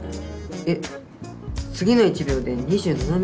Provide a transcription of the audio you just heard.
えっ次の１秒で２７ｍ？